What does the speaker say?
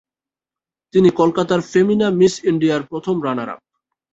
তিনি কলকাতার Femina Miss ইন্ডিয়ার প্রথম রানার আপ।